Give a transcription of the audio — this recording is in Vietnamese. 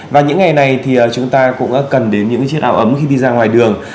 và những ngày này thì chúng ta cũng cần đến những chiếc áo ấm khi đi ra ngoài đường